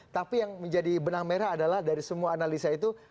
tapi yang menjadi benang merah adalah dari semua analisa itu